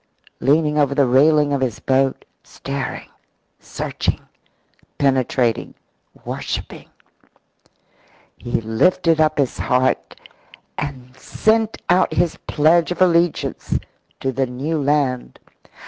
Leaning over the railing of his boat, staring, searching, penetrating, worshipping, he lifted up his heart and sent out his pledge of allegiance to the new land.